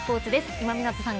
今湊さん